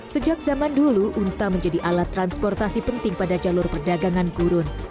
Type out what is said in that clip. sejak zaman dulu unta menjadi alat transportasi penting pada jalur perdagangan gurun